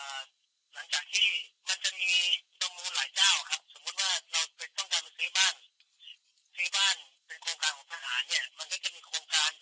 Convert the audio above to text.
หลังจากที่มันจะมีต้องมูลหลายเจ้าครับสมมุติว่าเราเป็นต้องการไปซื้อบ้าน